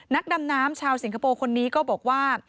นักดำน้ำชาวสิงคโปร์คนนี้ก็บอกว่า